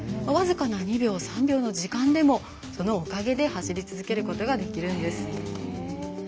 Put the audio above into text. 僅かな２秒、３秒の時間でもそのおかげで走り続けることができるんです。